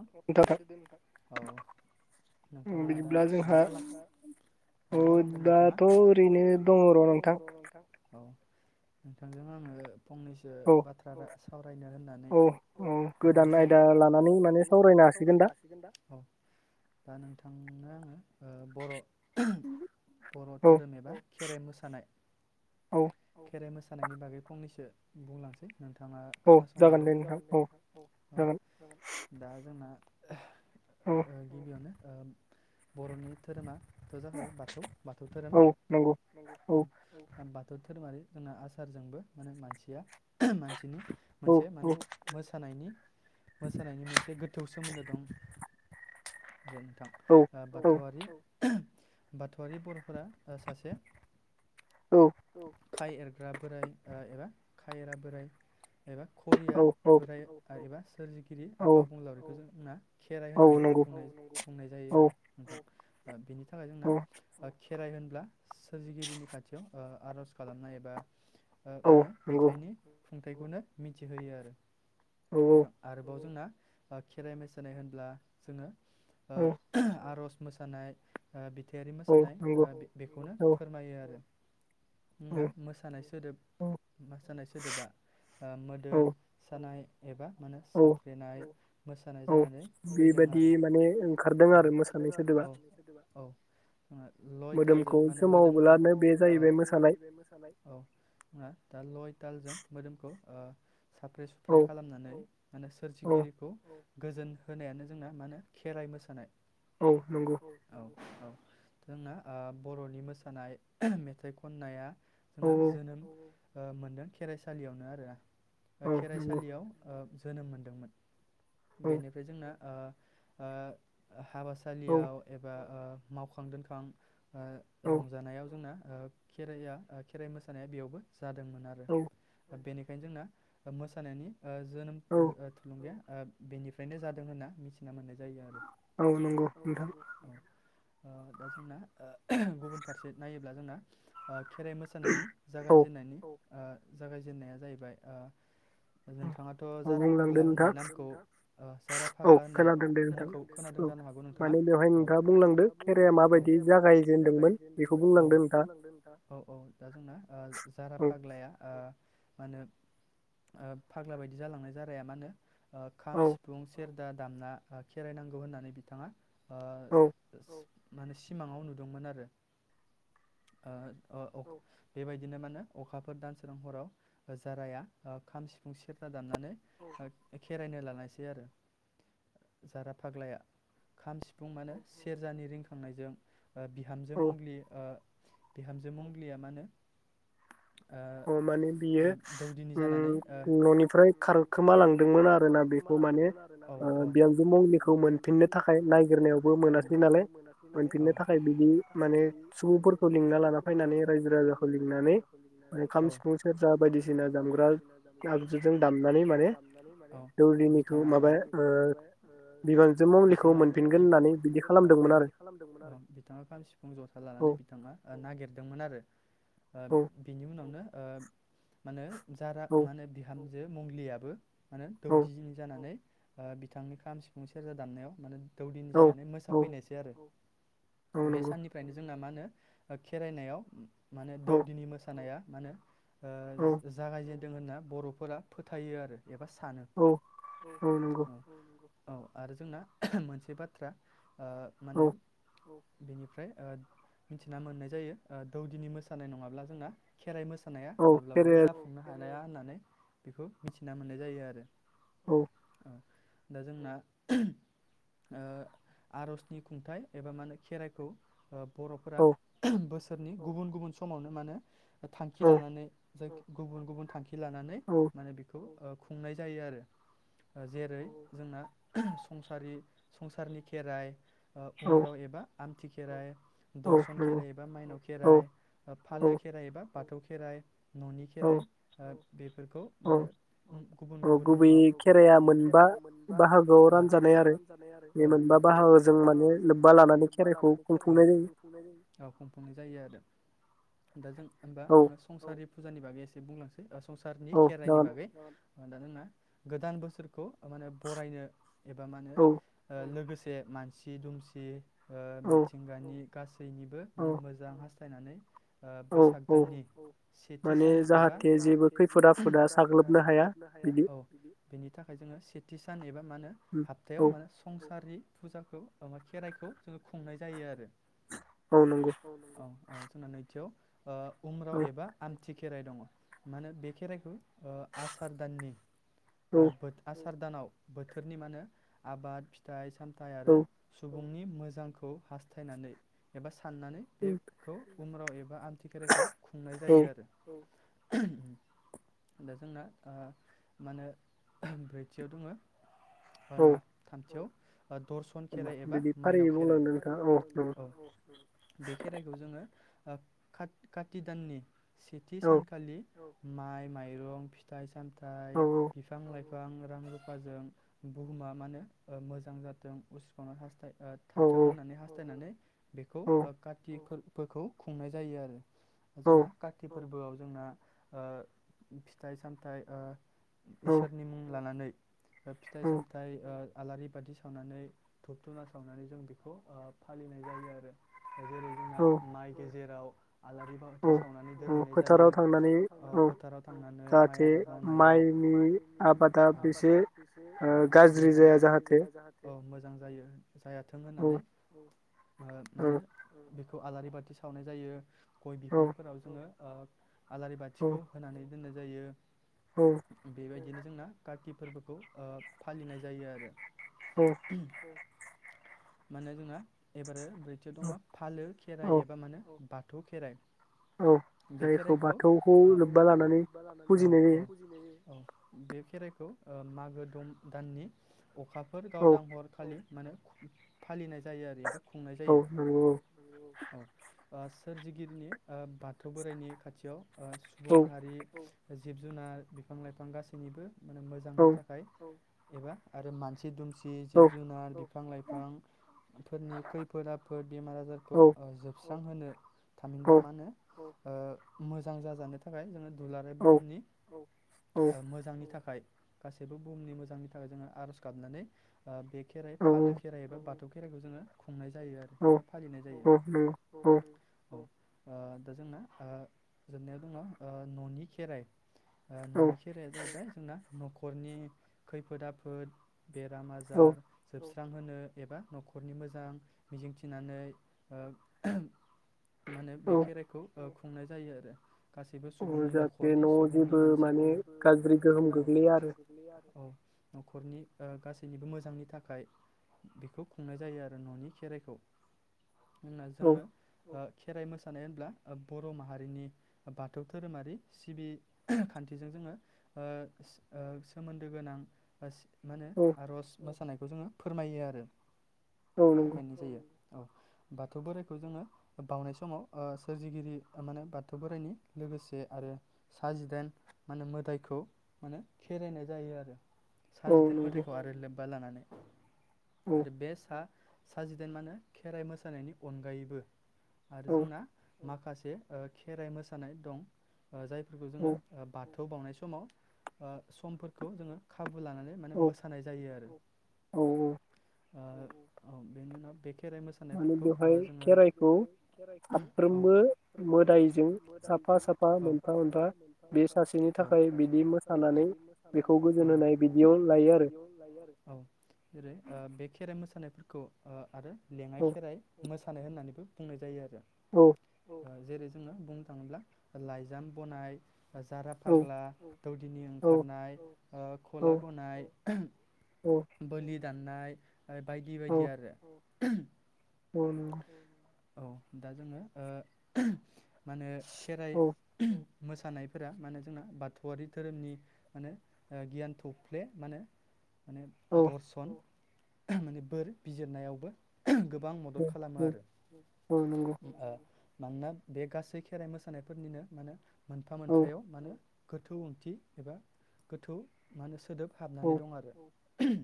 औ खोनादोदे नोंथां। औ नोंथाङा दा मा खालाम मा खालामदों नोंथाङा? दाथ' ओरैनो दङ र' नोंथां औ। नोंथांजों आङो फंनैसो बाथ्रा साव रायनो होननानै हरनाय जाबाय। माने सावरायनो हासिगोन दा औ दा नोंथां उम दा आङो ओ बर' बर धोरोम एबा खेराइ मोसानाय खेराइ मोसा खानायनि बागै फंनैसो बुंलांसै। नोंथाङा खोनासंलांदो। [unintelligible] जोंना ओ गिबियावनो ओम बर'नि धोरोमाथ' जाखाबाय बाथौ बाथौ धोरोम उम ओमबा थौ धोरोमारि जोंना आसारजोंबो माने मानसिया मानसिनि मोनसे माने मोसानायनि मोसानायनि मोनसे गोथौ सोमोन्दो दं। आरो नोंथां ओ बाथौआरि बाथौआरि बर' फोरा सासे उम खाय एरग्रा बोराइ ओ एबा खायरा बोराइ एबा खरिया बोराइ [unintelligible] सोरजिगिरिआ [inaudible] खेराइ होननानै बुंनाय बुंनाय जायो आरो नोंथां। [unintelligible] बिनि नि थाखाय जोंना खेराइ होनब्ला सोरजिगिरिनि खाथियाव ओ आर'ज खालामनाय एबा ओ माने बिथाइनि खुंथाइखौनो मिथिहोयो आरो। थां आरोबाव जोंना खेराइ मोसानाय होनब्ला जोङो आ आरस मोसानाय ओ बि होथाइयारि मोसानाय बेखौनो फोरमायो आरो। नङा मोसानाय सोदोब मोसानाय सोदोबा ओ मोदोम सानाय एबा मानो साफ्रेनाय [unintelligible] [unintelligible] [unintelligible] [unintelligible] [unintelligible] औ आ साफ्रे सुफ्रे खालामनानै माने सोरजिगिरिखौ गोजोन होनायानो जोंना मा होनो खेराइ मोसानाय। औ नंगौ। औ जोंना ओ बर'नि मोसानाय मेथाइ खननाया जोंना जोनोम मोनदों खेराइसालियावनो आरो खेराइसालियाव ओ जोनोम मोनदोंमोन। बेनिफ्राय जोंना हाबासालियाव एबा मावखां दोनखां ओ रंजानायाव जोंना खेराया खेराइ मोसानाया बेयावबो जादोंमोन आरो बेनिख खायनो जोंना मोसानायनि ओ जोनोम ओ थुलुंगाया बेनिफ्रायनो जादों होन्ना मिथिना मोननाय जायो आरो औ नंगौ ओ‌ दा जोंना ओ गुबुन फारसे नायोब्ला जोंना ओ खेराइ मोसानायनि जागायजेननायनि ओ जागायजेननाया जाहैबाय ओ नोंथाङाथ' जारा फाग्ला होननाय नाम ओ सारा फाग्ला होनना मुं खौ खोनादों जानो हागौ नोंथांङा बेवहाय नोंथांङा बुंलांदो‌ माबायदि जायेनदोंमोन बेखौ बुंलादो नोंथाङा औ औ दा जोंना जारा फाग्लाया मा होनो ओ फाग्ला बायदि जालांनाय जाराया मा होनो ओ खाम सिफुं सेर दा दामना ओ खेराय नांगौ होननानै बिथांङा आ। माने सिमांङाव नुदोंमोन आरो ओ अ बेबायदिनो माने अखाफोर दानस्रां हराव जाराया ओ खाम सिफुं सेरजा दामनानै खेराइनो लानायसै आरो जारा फाग्लाया खाम सिफुं मा नो सेरजानि रिंखांनायजों। ओ बिहामजो मंग्लि ओ बिहामजो मंग्लिया मा नो अ माने बियो उम न'निफ्राय खारखोमा लांदों। ओमफ्राय खारखोमा लांदोंमोन आरो ना माने ओ बिहामजो मंग्लिखौ मोनफिननो थाखाय नागिरनायावबो मोनाखै नालाय मोनफिननो थाखाय बिदि माने सुबुंफोरखौ लिंना लाना फैनानै रायजो राजाखौ लिंनानै। औ खाम सिफुं सोरजा बायदिसिना दामग्रा आगजुजों दामनानै माने औ बिथाङा ओ बिथांङा बि बिथांङा खाम सिफुं जथा लानानै बिथाङा नागिरदोंमोन आरो। ओ बेनि उनाव नो ओ मानो जारा माने बिहाम जो मंग्लियाबो नो दौदिनि जानानै ओ बिथांनि खाम सिफुं सेरजा दामनायाव मानो दौदिनि जानानै मोसाफैनायसै आरो। बे साननिफ्रायनो जोंना माहोनो ओ खेराइनायाव माने दौदिनि मोसानाया। मानो ओ जागायजेन। दों होनना बर'फोरा फोथायो आरो एबा सानो औ आरो जोंना मोनसे बाथ्रा ओ मा होनो बेनिफ्राय ओ मिथिना मोननाय जायो ओ दौदिनि मोसानाय नङाब्ला जोंना खेराइ मोसा माब्लाबाबो जाफुंनो हाया। जाया होननानै बेखौ मिथिनाय जायो। ना मोननाय जायो आरो। औ -औ दा जोंना आर'जनि खुंथाइ एबा मा होनो खेराइखौ बर'फोरा बोसोर फोरनि गुबुन गुबुन समावनो मानो थांखि लानानै जाय गुबुन गुबुन थांखि। लानानै माने। खुंनाय जायो आरो जेरै जोंना संसारि संसारनि खेराइ उम्राव एबा आमथि खेराइ दरसन खेराइ एबा माइनाव खेराइ, फालो खेराइ एबा बाथौ खेराइ। न'नि खेराइ ओ बेफोरखौ मोनो। गुबुन गुबुन मुङाव गुबैयै खेराइ मोनबा बाहागोआव रानजानाय आरो औ बे मोनबा बाहागोआव जों माने लोब्बा लानानै खेराइखौ खुंफुंनाय जायो औ खुंफुंनाय जायो आरो दा जों। होमबा आंङो संसारि फुजानि बागै एसे बिदि बुंलांसै गासै संसारनि खेराइनि बागै। दा गोदान बोसोरखौ मा होनो बरायनो एबा मानो लोगोसे जे मानसि - दुमसि मिथिंगानि। गासै बिनिबो माने मोजां हास हास्थायनानै। बैसाग दाननि सेथि सान एबा जाहाथे जेबो खैफोद आफोद साग्लोबनो हाया औ बेनि थाखाय जोंङो सेथि सान एबा मा होनो सप्तायाव मा होनो संसारनि फुजाखौ खेराइखौ जोंङो खुंनाय जायो आरो औ औ ओ जोंना नैथियाव, ओ उम्राव एबा आ थि खेराइ दङ मा होनो बे खेराइखौ ओ आसार दाननि ओ बोद आसार दानाव बोथोरनि मा होनो आबाद फिथाइ सामथाइ आरो सुबुं नि मोजांखौ हास्थायनानै एबा सा ननानै बे खौ उम्राव एब बा आमथि खेराइखौ खुंनाय जायो आरो। औ [inaudible] दा जोंना ओ मा होनो ब्रैथियाव दङ, ओ नङा थामथियाव ओ दर्शन खेराइ एबा माइनाव खेराइ। बे खेराइखौ जोङो खा-काथि दाननि सेथि सानखालि माइ माइ रं फिथाइ साम ओमफ्राय बिफां लाइफ गोबां रां रुफाजों बुहुमा मा होनो ओ मोजां जाथों उसिफावनो हास्थाय थाथों होननानै हास्थायनानै बेखौ ओ काथि फोर फोरखौ खुंनाय जायो आरो। जोंना काति फोरबोआव जोंना ओ फिथाइ सामथाइ ओ इसोरनि मुं लानानै, फिथाइ सामथायाइ ओ आलारि बाथि सावनानै धुप धुना सावनानै जों बेखौ ओ फालिनाय जायो आरो। जेरै जोंना माइ गेजेराव आलारि बाथि सावनानै दोनहैनाय जायो फोथाराव थांनानै फोथाराव थांनानै माइ आबाद मावनायाव माइनि आबादा एसे मोजां गाज्रि जाया जाहाथे मो मोजां जायो जायाथों होननानै मा होनो बेखौ आलारि बाथि सावनाय जायो। गय बिफांफोराव जोङो ओद आलारि बाथिखौ होनानै दोननाय जायो। बेबायदिनो जोंना काति फोरबोखौ ओ फालिनाय जायो आरो। उम। माने जोंना एबारो ब्रैथियाव दङ फालो खेराइ एबा मानो बाथौ खेराइ औ जायखौ बाथौखौ लोब्बा [inaudible] औ लानानै औ लानानै फुजिनाय जायो। बे खेराइखौ ओ मागो दम दाननि अखाफोर गावदां हरखालि माने फालिनाय जायो आरो एबा खुंनाय जायो औ बा सोरजिगिरिनि ओ बाथौ बोराइनि खाथियाव ओ सुबुं माहारि जिब जुनार बिफां लाइफां गासैनिबो माने मोजांनि थाखाय एबा आरो मानसि दुमसि नि जिब जुनार बिफां लाइफां फोरनि खैफोद आफोद बेमार आजारखौ ओ जोबसि स्रांहोनो थामहिंबा मा होनो ओ मोजां जाजानो थाखाय जोङो दुलाराय बुहुमनि औ ओ मोजांनि थाखाय गासैबो बुहुमनि मोजांनि थाखाय जोङो आर'ज गाबनानै ओ बे खेराइ फालो खेराइ एबा बाथौ खे खेराइखौ जोङो खुंनाय जायो आरो एबा फालिनाय जायो औ औ अ दा जोंना अ जोबनायाव दङ ओ न'नि खेराइ आ ननि खेराया जाहैबाय जोंना न'ख खरनि खैफोद आफोद बेराम आजार जोब स्रां होनो एबा नखरनि मोजां मिजिं थिनानै ओ मा होनो बे खेराइखौ औ खुंनाय जायो आरो गासैबो सुबुंनि नखरनि सुबुंनि मानसिफोर माने गाज्रि गोहोम गोग्लैया आरो औ। नखरनि अ गासैनिबो मोजांनि थाखाय बेखौ खुंनाय जायो आरो ननि खेराइखौ। होनना जोङो ओ खेराइ मोसानाय होनब्ला बर माहारिनि बाथौ धोरोमारि सिबि खान्थिजों जोङो ओ सि ओ सोमोन्दो गोनां ओ सि मा होनो आरज मोसानाय खौ जोङो फोरमायो आरो फोरमायनाय जायो। औ बाथौ बोराइखौ जोङो बावनाय अ समाव सोरजिगिरि मानो बाथौ बोराइनि लोगोसे आरो सा जिदाइन मानो मोदाइखौ मानो खेराइनाय जायो आरो। सा जिदाइन मोदायखौ आरो लोब बा लानानै आरो बे सा सा जिदाइन मानो खेराइ मोसानायनि अनगायैबो आरो जोंना माखासे ओ खेराइ मोसा नाय दं अ जायफोरखौ जोङो अ बा थौ बावनाय समाव अ समफोरखौ जोङो खाबु लानानै मानो मसानाय जायो आरो। अ अ बेनि उनाव बे खेराइ मोसानायफोरखौ ओ जोङो औ औ औ औ औ जेरै बे खेराइ मोसानाय खौ आरो लेङाइ खेराइ मोसा नाय होननानैबो बुंनाय जायो आरो। औ। ओ जेरै जोङो बुं थाङोब्ला लाइजाम बनाय जारा फाग्ला दौदिनि ओंखारनाय ओ खला गनाय [unintelligible] बोलि दाननाय ओ बायदि बायदि आरो [unintelligible] औ नंगौ। औ दा जोङो ओ मा होनो खेराइ मोसानायफोरा मानो जोंना बाथौआरि धोरोमनि मानो ओ गियान थौफ्ले मानो माने दरशन माने बोर बिजिरनायावबो गोबां खालामो आरो ओ। मानोना बे गासै खेराइ मोसानायफोरनिनो मानो मोनफा मोनफायाव मानो। गोथौ ओंथि एबा गोथौ मा होनो सों सोदोब हाबनानै दं आरो [unintelligible]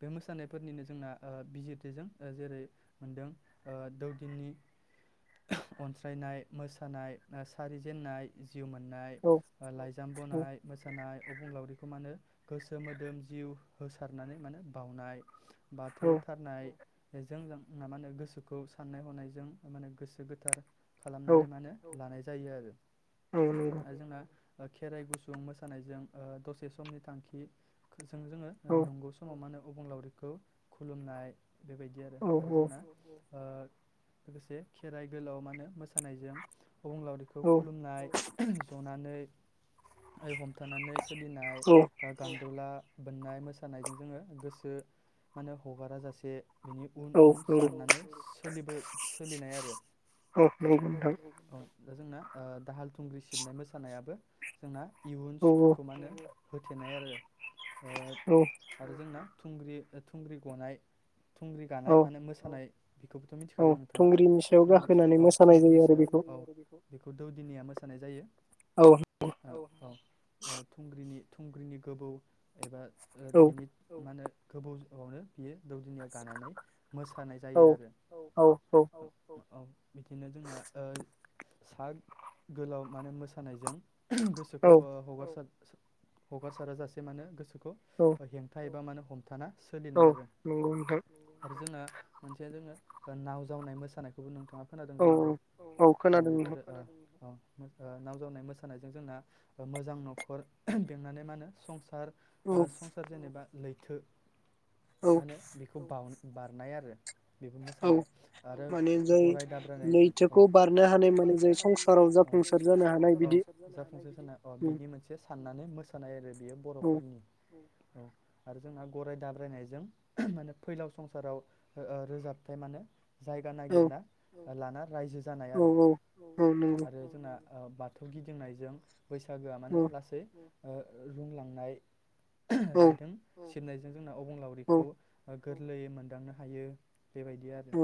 बे मोसानायफोरनिनो जोंना ओ बिजिरथिजों ओ जेरै मोनदों ओ दौदिननि अनस्रायनाय मोसानाय ना सारिजेन्नाय जिउ मोननाय ओ लाइजाम बनाय मोसानाय अबुंलावरिखौ मानो गोसो मोदोम जिउ होसारनानै मानो बाउनाय बाथौ थारनाय बेजों जों ना मानो गोसोखौ साननाय हनायजों माने गोसो गोथार खालामनानै मा होनो लानाय जायो आरो आरो जोंना ओ खेराइ गुसुं मोसानायजों ओ दसे समनि थांखि जों जोङो नंगौ समाव मा मानो अबंलावरिखौ खुलुमनाय बेबायदि आरो आरो जोंना ओ लोगोसे खेराइ गोलाव मा होनो मोसानायजों अबंलावरिखौ खुलुमनाय ज हनानै ओय हम होबथानानै सोलिनाय ओ गान्दुला बोननाय मोसानायजों जोङो गोसो मा मानो हगारा जासे बिनि उन उन सान्नानै सोलिबो सोलिनाय आरो औ। दा जोंना ओ दाहाल थुंग्रि सिबनाय मोसानायाबो जोंना इयुन सुथुरखौ मानो होथेनाय आरो ओ आरो जोंना थुंग्रि ओ थुंग्रि गनाय थुंग्रि गानाय माने मोसानाय। बेखौबोथ' मिथिखागौ नोंथाङा थुंग्रि औ थुंग्रिनि सायाव औ। बेखौ दौदिनिया मोसानाय जायो। औ औ ओ थुंग्रिनि थुंग्रिनि गोबौ एबा बिनि औ मा होनो। गोबौ जुवनो बियो दौदिनि गानानै मोसानाय जायो आरो औ औ औ। औ बिखायनो जोंना ओ सा गोलाव माने मोसानायजों गोसोखौ हगारसार हगारसारा जासे मानो गोसोखौ खो हेंथा एबा मानो हमथाना औ नंगौ नोंथां। आरो जोंना मोनसेया जोङो नाव जावनाय मोसानायखौबो नों नोंथाङा खोनादों जानांगौ औ औ खोना दों ओ बिखौ। ओ नाव जावनाय मोसानायजों जोंना मोजां न'खर बेंनानै मा होनो संसार ओ संसार जेनेबा लैथो औ। बावन बारनाय आरो बेबो मोसानाय आरो गराय दाद्रायनायजों औ लैथोखौ बारनो हानाय औ माने जों संसाराव औ जाफुंसार जानाय औ बिनि मोनसे साननानै मोसानाय आरो बेयो बर'फोरनि। औ आरो जोंना गराय दाब्रायनायजों माने फैलाव संसाराव ओ रोजाबथाय माने जायगा नागिरना लाना रायजो जानाय आरो। आरो जोंना ओ बाथौ गिदिंनायजों बैसागोआ मानो लासै ओ रुंलांनाय रायदों औ गेनायजों जोंनाव अबंलावरिखौ गोरलैयै मोनदांनो हायो बेबायदि आरो।